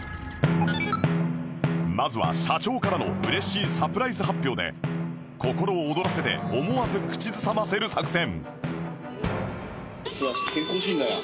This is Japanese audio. まずは社長からの嬉しいサプライズ発表で心を躍らせて思わず口ずさませる作戦